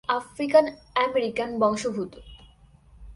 তিনি African American বংশোদ্ভূত।